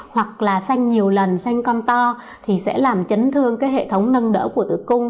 hoặc là xanh nhiều lần xanh con to thì sẽ làm chấn thương cái hệ thống nâng đỡ của tử cung